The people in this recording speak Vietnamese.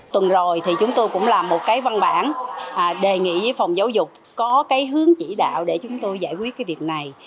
tuần rồi thì chúng tôi cũng làm một cái văn bản đề nghị với phòng giáo dục có cái hướng chỉ đạo để chúng tôi giải quyết cái việc này